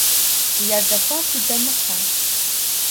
Я зэхуаку удэмыхьэ.